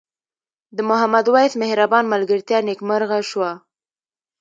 د محمد وېس مهربان ملګرتیا نیکمرغه شوه.